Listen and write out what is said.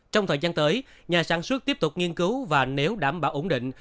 trong thời gian tới nhà sản xuất tiếp tục nghiên cứu và nếu đảm bảo ổn định